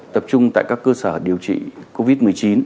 tập trung tại các cơ sở điều trị covid một mươi chín